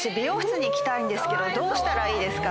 「どうしたらいいですか？」